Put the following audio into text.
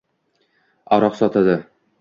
Aroq sotadi.